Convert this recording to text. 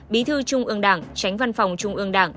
bí thư trung ương đảng tránh văn phòng trung ương đảng